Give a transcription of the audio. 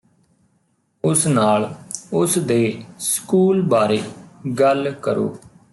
ਉਸ ਨਾਲ ਉਸ ਦੇ ਸਕੂਲ ਬਾਰੇ ਗੱਲ ਕਰੋ